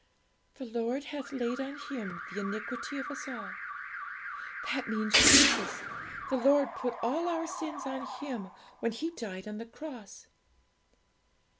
'"The Lord hath laid on Him the iniquity of us all." That means Jesus; the Lord put all our sins on Him when He died on the cross.'